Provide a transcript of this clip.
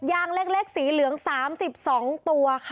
ยางเล็กสีเหลือง๓๒ตัวค่ะ